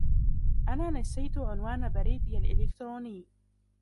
أنا نسيت عنوان بريدي الإلكتروني.